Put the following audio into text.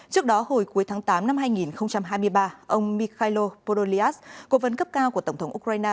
trước đó hồi cuối tháng tám năm hai nghìn hai mươi ba ông mikhailo podolyas cố vấn cấp cao của tổng thống ukraine